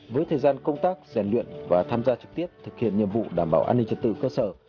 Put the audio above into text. với thời gian công tác rèn luyện và tham gia trực tiếp thực hiện nhiệm vụ đảm bảo an ninh trật tự cơ sở